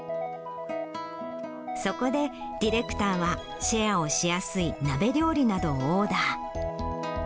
そこでディレクターは、シェアをしやすい鍋料理などをオーダー。